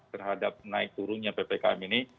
terhadap naik turunnya ppkm ini